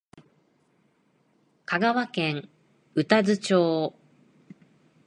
香川県宇多津町